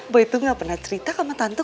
boy tuh gak pernah cerita sama tante